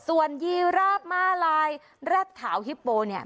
ส่วนยีราบม่าลายแร็ดขาวฮิปโปเนี่ย